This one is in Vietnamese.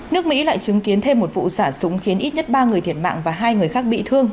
nước mỹ lại chứng kiến thêm một vụ xả súng khiến ít nhất ba người thiệt mạng và hai người khác bị thương